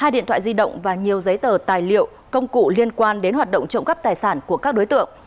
hai điện thoại di động và nhiều giấy tờ tài liệu công cụ liên quan đến hoạt động trộm cắp tài sản của các đối tượng